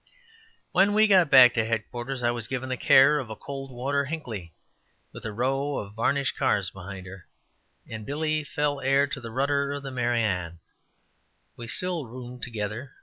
When we got back to headquarters, I was given the care of a cold water Hinkley, with a row of varnished cars behind her, and Billy fell heir to the rudder of the "Mary Ann." We still roomed together.